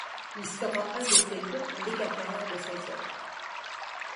Il sera un de ses huit légataires de ses œuvres.